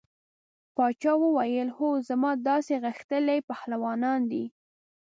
باچا وویل هو زما داسې غښتلي پهلوانان دي.